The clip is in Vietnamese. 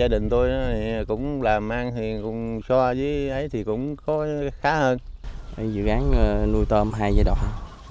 dự án nuôi tôm hai giai đoạn